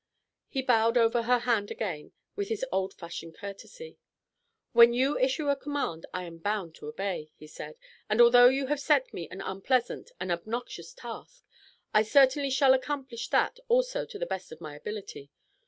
He bowed over her hand again with his old fashioned courtesy. "When you issue a command I am bound to obey," he said, "and although you have set me an unpleasant, an obnoxious task, I certainly shall accomplish that also to the best of my ability.